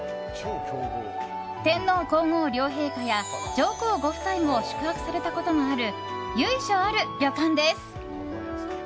天皇・皇后両陛下や上皇ご夫妻も宿泊されたことのある由緒ある旅館です。